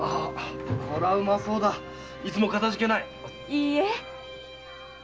いいえ。